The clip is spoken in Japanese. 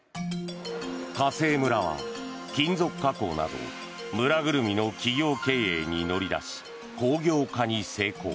華西村は金属加工など村ぐるみの企業経営に乗り出し工業化に成功。